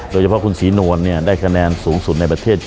โดยเฉพาะคุณศรีนวลเนี่ยได้คะแนนสูงสุดในประเทศ๗๕๐๐๐